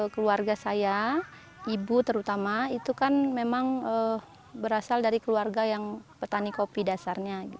kami memasak kopi di atas tanah